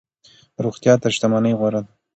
روغتيا تر شتمنۍ غوره ده.